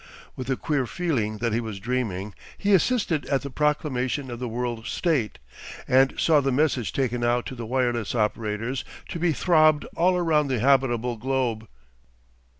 With a queer feeling that he was dreaming, he assisted at the proclamation of the World State, and saw the message taken out to the wireless operators to be throbbed all round the habitable globe.